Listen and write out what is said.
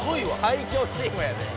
さい強チームやで。